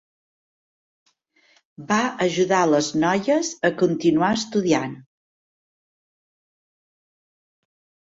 Va ajudar les noies a continuar estudiant.